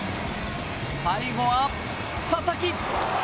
最後は佐々木！